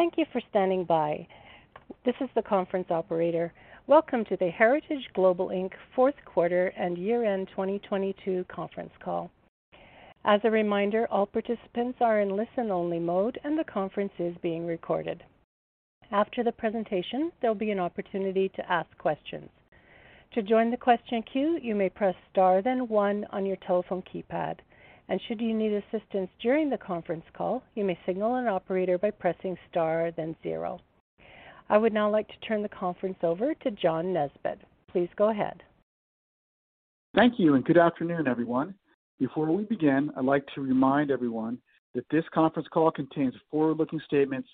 Thank you for standing by. This is the conference operator. Welcome to the Heritage Global Inc. fourth quarter and year end 2022 conference call. As a reminder, all participants are in listen-only mode. The conference is being recorded. After the presentation, there'll be an opportunity to ask questions. To join the question queue, you may press star, then one on your telephone keypad. Should you need assistance during the conference call, you may signal an operator by pressing star, then zero. I would now like to turn the conference over to John Nesbett. Please go ahead. Thank you, and good afternoon, everyone. Before we begin, I'd like to remind everyone that this conference call contains forward-looking statements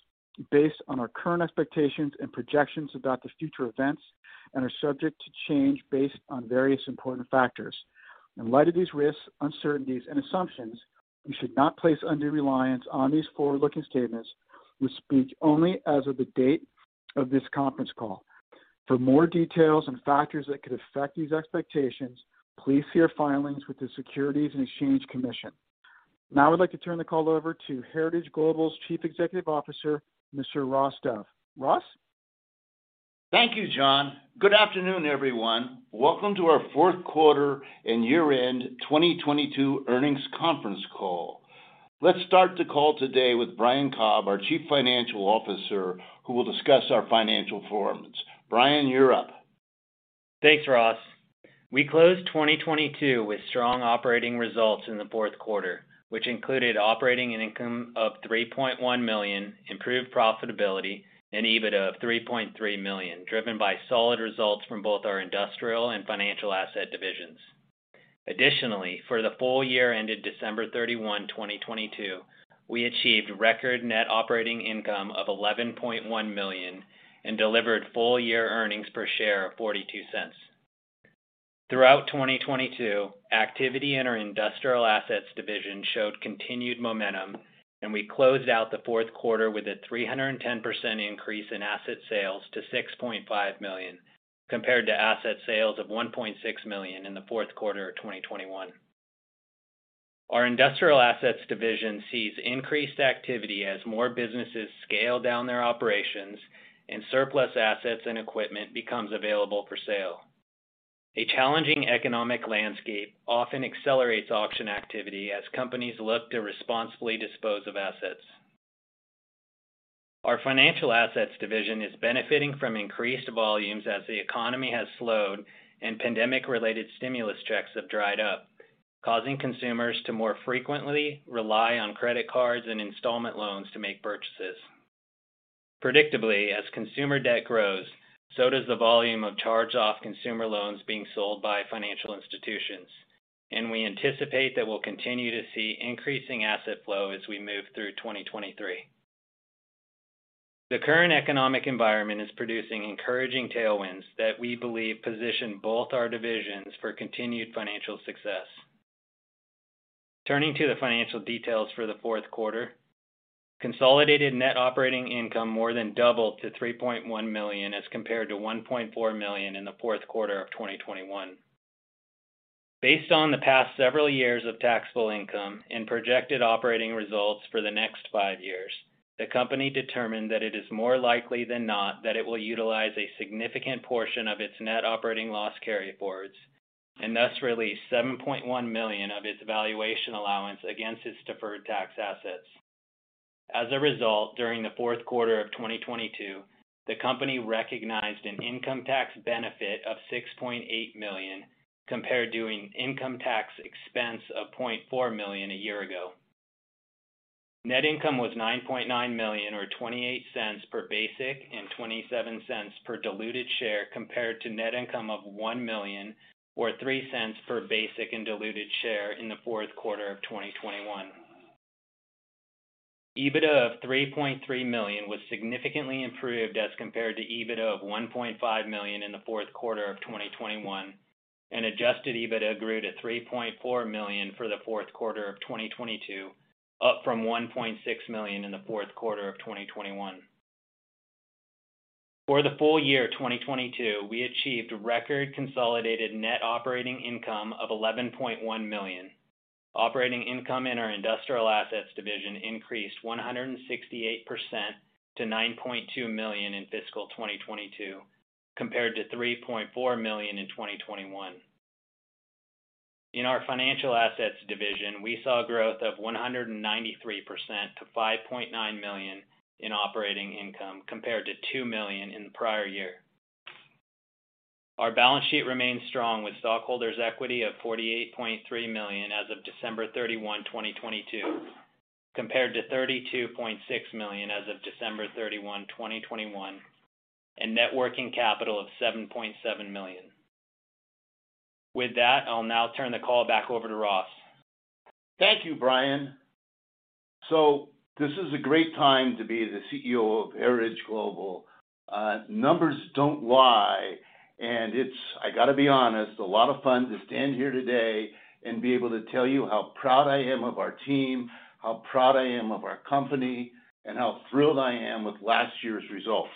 based on our current expectations and projections about the future events and are subject to change based on various important factors. In light of these risks, uncertainties, and assumptions, you should not place undue reliance on these forward-looking statements, which speak only as of the date of this conference call. For more details and factors that could affect these expectations, please see our filings with the Securities and Exchange Commission. Now I would like to turn the call over to Heritage Global's Chief Executive Officer, Mr. Ross Dove. Ross? Thank you, John. Good afternoon, everyone. Welcome to our fourth quarter and year end 2022 earnings conference call. Let's start the call today with Brian Cobb, our Chief Financial Officer, who will discuss our financial performance. Brian, you're up. Thanks, Ross. We closed 2022 with strong operating results in the fourth quarter, which included operating an income of $3.1 million, improved profitability, and EBITDA of $3.3 million, driven by solid results from both our Industrial and Financial Assets divisions. Additionally, for the full year ended December 31, 2022, we achieved record net operating income of $11.1 million and delivered full year earnings per share of $0.42. Throughout 2022, activity in our Industrial Assets division showed continued momentum, and we closed out the fourth quarter with a 310% increase in asset sales to $6.5 million, compared to asset sales of $1.6 million in the fourth quarter of 2021. Our Industrial Assets division sees increased activity as more businesses scale down their operations and surplus assets and equipment becomes available for sale. A challenging economic landscape often accelerates auction activity as companies look to responsibly dispose of assets. Our Financial Assets division is benefiting from increased volumes as the economy has slowed and pandemic-related stimulus checks have dried up, causing consumers to more frequently rely on credit cards and installment loans to make purchases. Predictably, as consumer debt grows, so does the volume of charge-off consumer loans being sold by financial institutions. We anticipate that we'll continue to see increasing asset flow as we move through 2023. The current economic environment is producing encouraging tailwinds that we believe position both our divisions for continued financial success. Turning to the financial details for the fourth quarter, consolidated net operating income more than doubled to $3.1 million as compared to $1.4 million in the fourth quarter of 2021. Based on the past several years of taxable income and projected operating results for the next five years, the company determined that it is more likely than not that it will utilize a significant portion of its net operating loss carryforwards and thus release $7.1 million of its valuation allowance against its deferred tax assets. As a result, during the fourth quarter of 2022, the company recognized an income tax benefit of $6.8 million compared to an income tax expense of $0.4 million a year ago. Net income was $9.9 million or $0.28 per basic and $0.27 per diluted share compared to net income of $1 million or $0.03 per basic and diluted share in the fourth quarter of 2021. EBITDA of $3.3 million was significantly improved as compared to EBITDA of $1.5 million in the fourth quarter of 2021, and adjusted EBITDA grew to $3.4 million for the fourth quarter of 2022, up from $1.6 million in the fourth quarter of 2021. For the full year 2022, we achieved record consolidated net operating income of $11.1 million. Operating income in our Industrial Assets division increased 168% to $9.2 million in fiscal 2022 compared to $3.4 million in 2021. In our Financial Assets division, we saw growth of 193% to $5.9 million in operating income compared to $2 million in the prior year. Our balance sheet remains strong with stockholders' equity of $48.3 million as of December 31, 2022, compared to $32.6 million as of December 31, 2021, and net working capital of $7.7 million. With that, I'll now turn the call back over to Ross. Thank you, Brian. This is a great time to be the CEO of Heritage Global. Numbers don't lie, and it's, I got to be honest, a lot of fun to stand here today and be able to tell you how proud I am of our team, how proud I am of our company, and how thrilled I am with last year's results.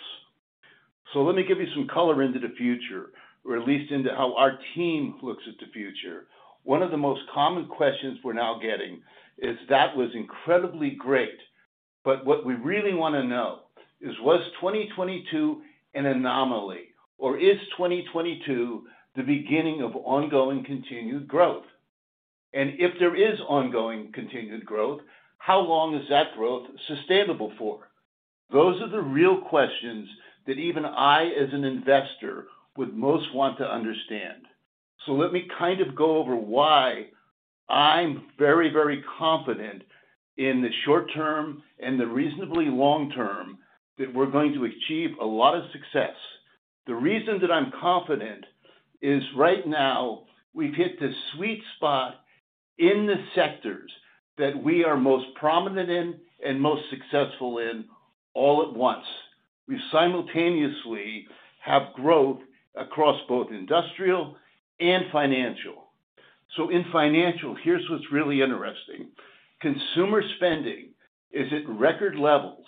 Let me give you some color into the future, or at least into how our team looks at the future. One of the most common questions we're now getting is that was incredibly great. What we really wanna know is was 2022 an anomaly, or is 2022 the beginning of ongoing continued growth? If there is ongoing continued growth, how long is that growth sustainable for? Those are the real questions that even I as an investor would most want to understand. Let me kind of go over why I'm very, very confident in the short term and the reasonably long term that we're going to achieve a lot of success. The reason that I'm confident is right now we've hit the sweet spot in the sectors that we are most prominent in and most successful in all at once. We simultaneously have growth across both industrial and financial. In financial, here's what's really interesting. Consumer spending is at record levels,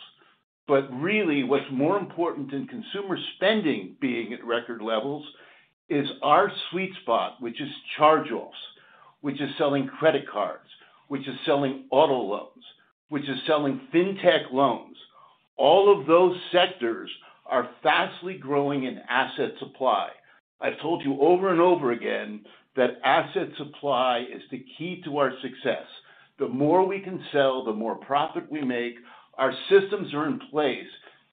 but really what's more important than consumer spending being at record levels is our sweet spot, which is charge-offs, which is selling credit cards, which is selling auto loans, which is selling fintech loans. All of those sectors are fastly growing in asset supply. I've told you over and over again that asset supply is the key to our success. The more we can sell, the more profit we make. Our systems are in place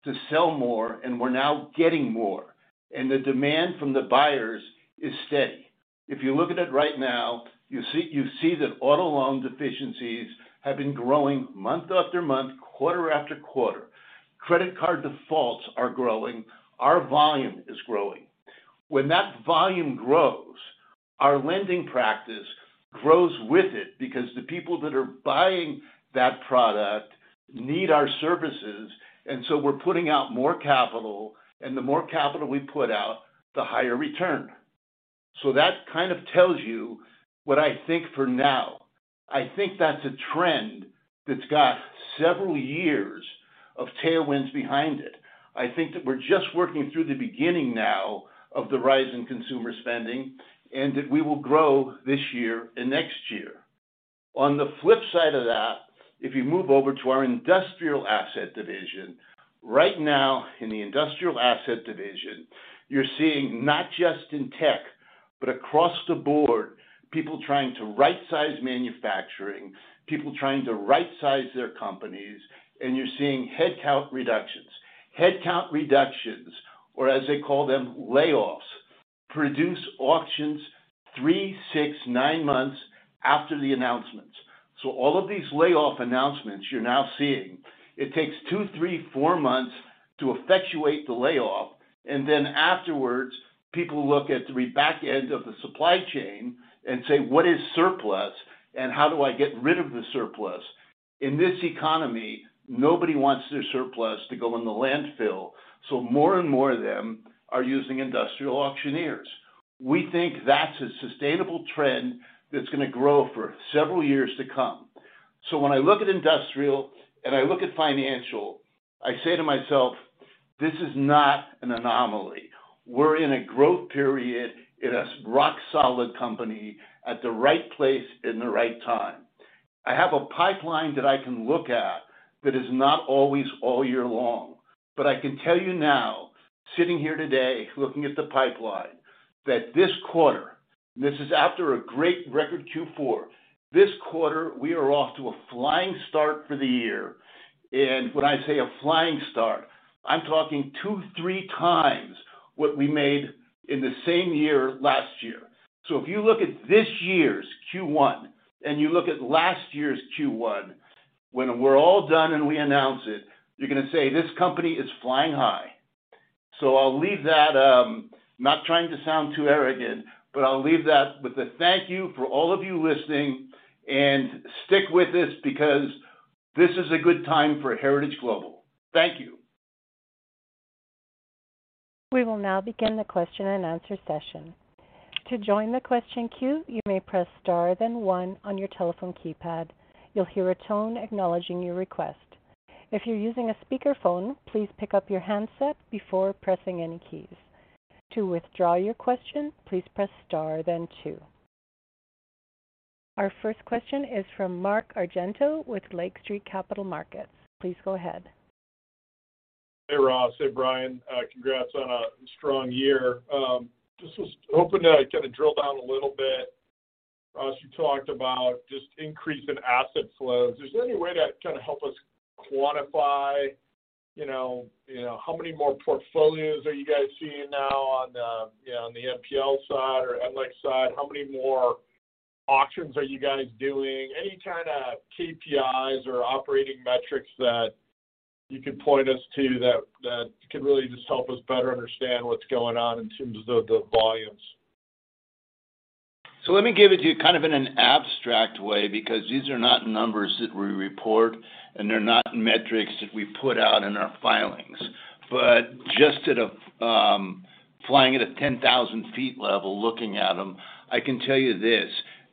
to sell more, and we're now getting more, and the demand from the buyers is steady. If you look at it right now, you see that auto loan deficiencies have been growing month after month, quarter-after-quarter. Credit card defaults are growing. Our volume is growing. When that volume grows, our lending practice grows with it because the people that are buying that product need our services, we're putting out more capital. The more capital we put out, the higher return. That kind of tells you what I think for now. I think that's a trend that's got several years of tailwinds behind it. I think that we're just working through the beginning now of the rise in consumer spending, that we will grow this year and next year. On the flip side of that, if you move over to our Industrial Assets division. Right now in the Industrial Assets division, you're seeing not just in tech, but across the board, people trying to right-size manufacturing, people trying to right-size their companies, and you're seeing headcount reductions. Headcount reductions, or as they call them, layoffs, produce auctions three, six, nine months after the announcements. All of these layoff announcements you're now seeing, it takes two, three, four months to effectuate the layoff, and then afterwards, people look at the back end of the supply chain and say, "What is surplus, and how do I get rid of the surplus?" In this economy, nobody wants their surplus to go in the landfill, so more and more of them are using industrial auctioneers. We think that's a sustainable trend that's gonna grow for several years to come. When I look at industrial and I look at financial, I say to myself, "This is not an anomaly." We're in a growth period in a rock solid company at the right place and the right time. I have a pipeline that I can look at that is not always all year long. I can tell you now, sitting here today, looking at the pipeline, that this quarter, this is after a great record Q4, this quarter we are off to a flying start for the year. When I say a flying start, I'm talking 2x, 3x what we made in the same year last year. If you look at this year's Q1 and you look at last year's Q1, when we're all done and we announce it, you're gonna say, "This company is flying high." I'll leave that, not trying to sound too arrogant, but I'll leave that with a thank you for all of you listening and stick with this because this is a good time for Heritage Global. Thank you. We will now begin the question and answer session. To join the question queue, you may press star then one on your telephone keypad. You'll hear a tone acknowledging your request. If you're using a speakerphone, please pick up your handset before pressing any keys. To withdraw your question, please press star then two. Our first question is from Mark Argento with Lake Street Capital Markets. Please go ahead. Hey, Ross. Hey, Brian. Congrats on a strong year. Just was hoping to kind of drill down a little bit. Ross, you talked about just increase in asset flows. Is there any way to kind of help us quantify, you know, how many more portfolios are you guys seeing now on the NPL side or NLEX side? How many more auctions are you guys doing? Any kind of KPIs or operating metrics that you could point us to that could really just help us better understand what's going on in terms of volumes? Let me give it to you kind of in an abstract way because these are not numbers that we report and they're not metrics that we put out in our filings. Just at a 10,000 ft level looking at them, I can tell you this,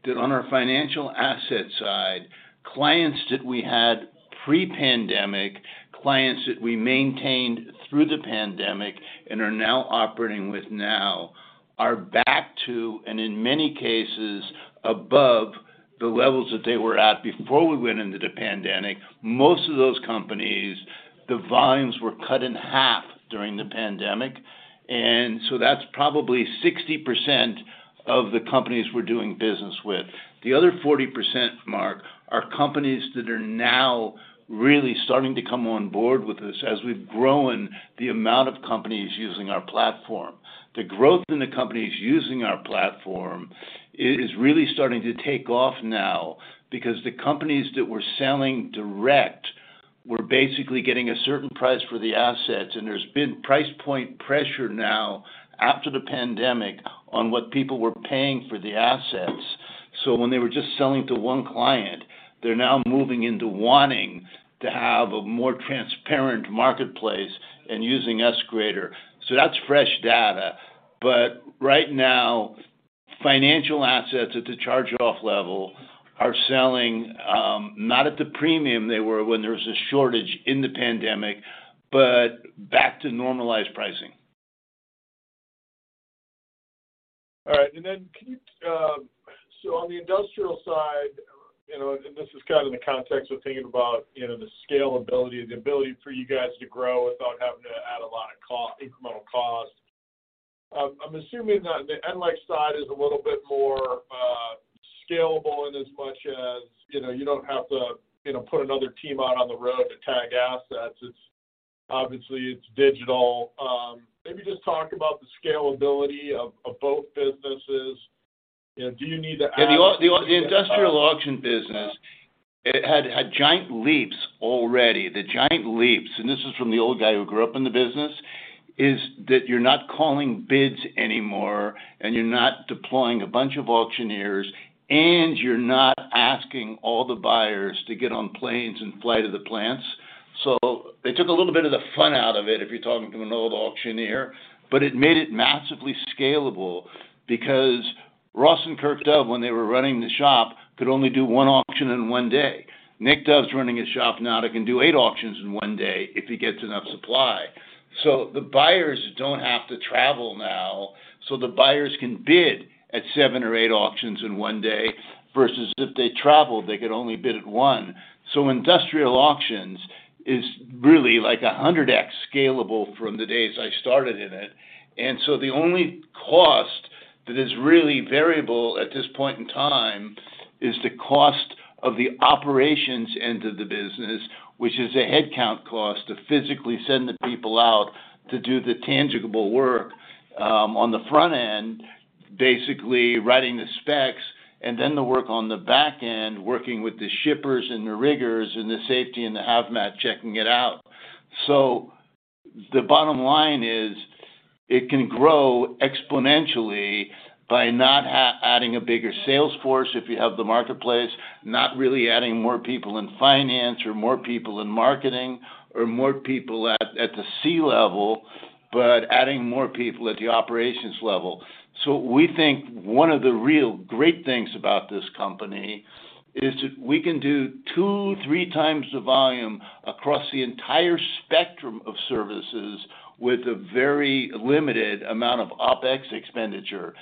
that on our Financial Asset side, clients that we had pre-pandemic, clients that we maintained through the pandemic and are now operating with now are back to, and in many cases above the levels that they were at before we went into the pandemic. Most of those companies, the volumes were cut in half during the pandemic, and so that's probably 60% of the companies we're doing business with. The other 40%, Mark, are companies that are now really starting to come on board with us as we've grown the amount of companies using our platform. The growth in the companies using our platform is really starting to take off now because the companies that were selling direct were basically getting a certain price for the assets, and there's been price point pressure now after the pandemic on what people were paying for the assets. When they were just selling to one client, they're now moving into wanting to have a more transparent marketplace and using us greater. That's fresh data. Right now, Financial Assets at the charge-off level are selling, not at the premium they were when there was a shortage in the pandemic, but back to normalized pricing. All right. Can you, on the industrial side, you know, and this is kind of in the context of thinking about, you know, the scalability, the ability for you guys to grow without having to add a lot of incremental cost, I'm assuming that the NLEX side is a little bit more scalable and as much as, you know, you don't have to, you know, put another team out on the road to tag assets. It's obviously it's digital. Maybe just talk about the scalability of both businesses. You know, do you need to add? Yeah. The industrial auction business, it had giant leaps already. The giant leaps, and this is from the old guy who grew up in the business, is that you're not calling bids anymore, and you're not deploying a bunch of auctioneers, and you're not asking all the buyers to get on planes and fly to the plants. It took a little bit of the fun out of it if you're talking to an old auctioneer, but it made it massively scalable because Ross and Kirk Dove, when they were running the shop, could only do one auction in one day. Nick Dove's running his shop now, they can do eight auctions in one day if he gets enough supply. The buyers don't have to travel now, so the buyers can bid at seven or eight auctions in one day versus if they traveled, they could only bid at one. Industrial auctions is really like a 100x scalable from the days I started in it. The only cost that is really variable at this point in time is the cost of the operations end of the business, which is a headcount cost to physically send the people out to do the tangible work on the front end, basically writing the specs and then the work on the back end, working with the shippers and the rigors and the safety and the hazmat, checking it out. The bottom line is it can grow exponentially by not adding a bigger sales force if you have the marketplace, not really adding more people in finance or more people in marketing or more people at the C level, but adding more people at the operations level. We think one of the real great things about this company is that we can do 2x-3x the volume across the entire spectrum of services with a very limited amount of OpEx expenditure.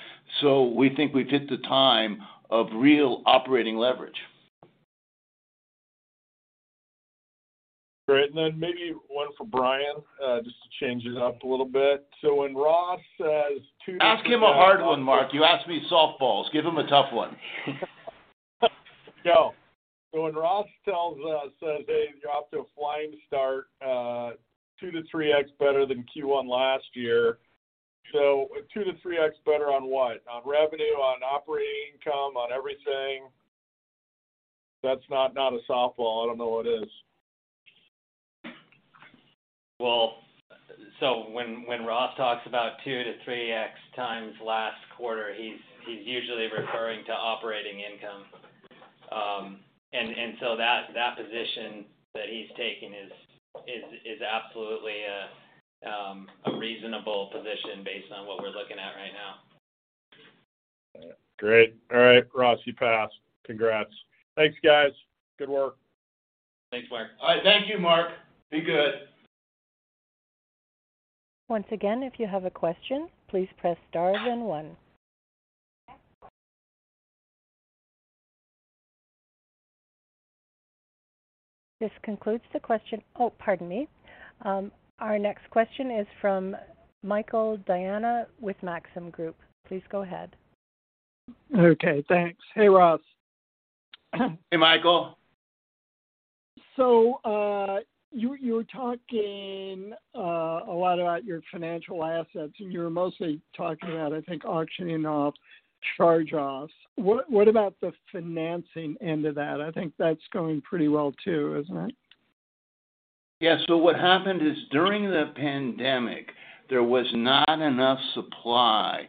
We think we've hit the time of real operating leverage. Great. Maybe one for Brian, just to change it up a little bit. When Ross says 2x-3x. Ask him a hard one, Mark. You asked me softballs. Give him a tough one. No. When Ross tells us that you're off to a flying start, 2x-3x better than Q1 last year. 2x-3x better on what? On revenue, on operating income, on everything? If that's not a softball, I don't know what it is. When Ross talks about 2x-3x times last quarter, he's usually referring to operating income. That position that he's taking is absolutely a reasonable position based on what we're looking at right now. All right. Great. All right. Ross, you passed. Congrats. Thanks, guys. Good work. Thanks, Mark. All right. Thank you, Mark. Be good. Once again, if you have a question, please press star then one. This concludes the question. Oh, pardon me. Our next question is from Michael Diana with Maxim Group. Please go ahead. Okay, thanks. Hey, Ross. Hey, Michael. You were talking a lot about your Financial Assets, and you were mostly talking about, I think, auctioning off charge-offs. What about the financing end of that? I think that's going pretty well too, isn't it? What happened is during the pandemic, there was not enough supply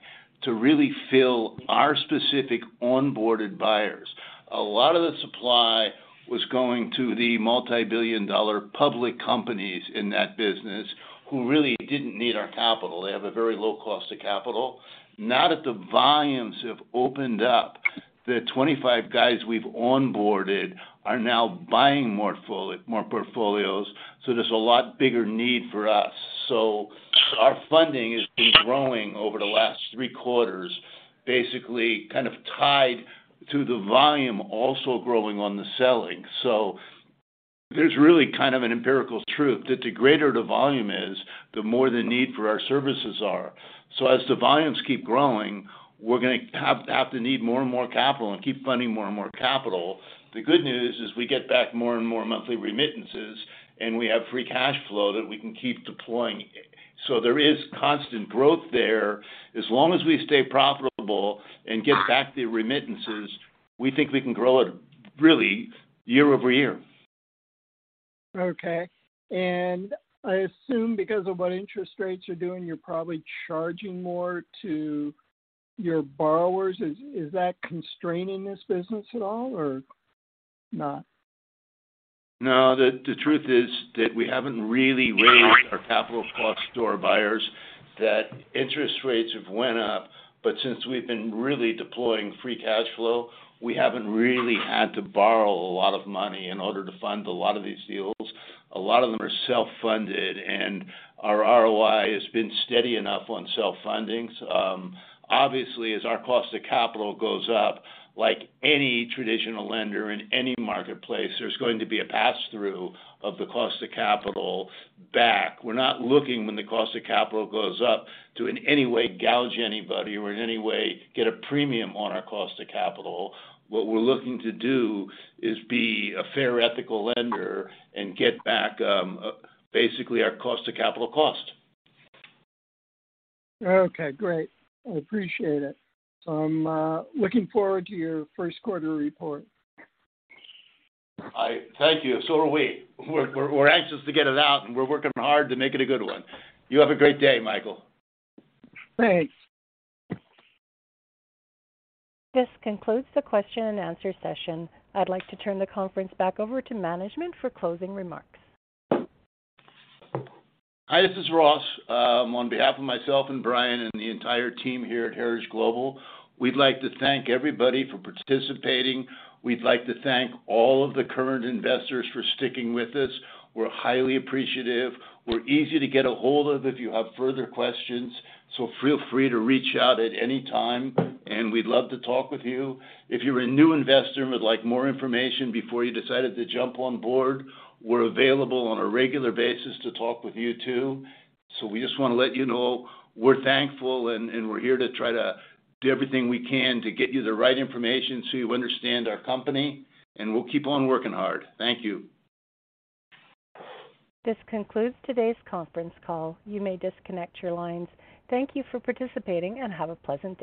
to really fill our specific onboarded buyers. A lot of the supply was going to the multi-billion dollar public companies in that business who really didn't need our capital. They have a very low cost of capital. Now that the volumes have opened up, the 25 guys we've onboarded are now buying more portfolios, there's a lot bigger need for us. Our funding has been growing over the last three quarters, basically kind of tied to the volume also growing on the selling. There's really kind of an empirical truth that the greater the volume is, the more the need for our services are. As the volumes keep growing, we're gonna have to need more and more capital and keep funding more and more capital. The good news is we get back more and more monthly remittances, and we have free cash flow that we can keep deploying. There is constant growth there. As long as we stay profitable and get back the remittances, we think we can grow it really year-over-year. Okay. I assume because of what interest rates are doing, you're probably charging more to your borrowers. Is that constraining this business at all or not? No. The truth is that we haven't really raised our capital costs to our buyers, that interest rates have went up, but since we've been really deploying free cash flow, we haven't really had to borrow a lot of money in order to fund a lot of these deals. A lot of them are self-funded, and our ROI has been steady enough on self-funding. Obviously, as our cost of capital goes up, like any traditional lender in any marketplace, there's going to be a pass-through of the cost of capital back. We're not looking when the cost of capital goes up to, in any way, gouge anybody or in any way get a premium on our cost of capital. What we're looking to do is be a fair, ethical lender and get back, basically, our cost of capital cost. Okay, great. I appreciate it. I'm looking forward to your first quarter report. Thank you. Are we. We're anxious to get it out, and we're working hard to make it a good one. You have a great day, Michael. Thanks. This concludes the question and answer session. I'd like to turn the conference back over to management for closing remarks. Hi, this is Ross. On behalf of myself and Brian and the entire team here at Heritage Global, we'd like to thank everybody for participating. We'd like to thank all of the current investors for sticking with us. We're highly appreciative. We're easy to get a hold of if you have further questions, so feel free to reach out at any time, and we'd love to talk with you. If you're a new investor and would like more information before you decided to jump on board, we're available on a regular basis to talk with you too. We just wanna let you know we're thankful, and we're here to try to do everything we can to get you the right information so you understand our company, and we'll keep on working hard. Thank you. This concludes today's conference call. You may disconnect your lines. Thank you for participating, and have a pleasant day.